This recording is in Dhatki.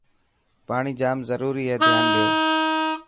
پاڻي جام ضروري هي ڌيان ڏيو.